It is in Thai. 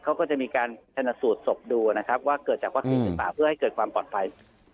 เขาก็จะมีการชนสูตรศพดูนะครับว่าเกิดจากวัคซีนหรือเปล่าเพื่อให้เกิดความปลอดภัย